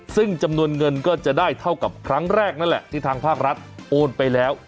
ซึ่งจำนวนเงินก็จะได้เท่ากับครั้งแรกนั่นแหละที่ทางภาครัฐโอนไปแล้ว